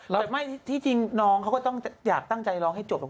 ก็ไม่ที่จริงน้องเค้าก็อยากตั้งใจต้องงานให้จบ